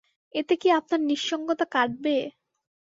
এতে কী আপনার নিঃসঙ্গতা কাটবে?